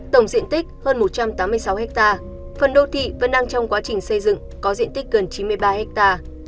tổng diện tích hơn một trăm tám mươi sáu ha phần đô thị vẫn đang trong quá trình xây dựng có diện tích gần chín mươi ba ha